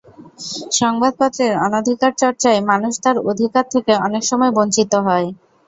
সংবাদপত্রের অনধিকার চর্চায় মানুষ তার অধিকার থেকে অনেক সময় বঞ্চিত হয়।